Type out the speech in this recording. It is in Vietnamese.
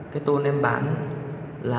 cái tôn em bán là